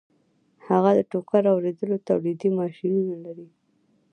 هغه د ټوکر اوبدلو تولیدي ماشینونه لري